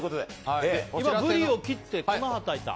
今、ブリを切って粉をはたいた。